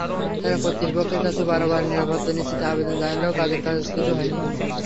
তাঁরা কর্তৃপক্ষের কাছে বারবার নিরাপত্তা নিশ্চিতের আবেদন জানালেও কাজের কাজ কিছুই হয়নি।